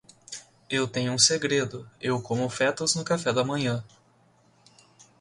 Eu tenho um segredo: eu como fetos no café da manhã.